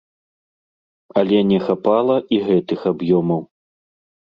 Але не хапала і гэтых аб'ёмаў.